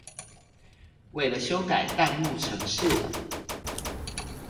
為了修改彈幕程式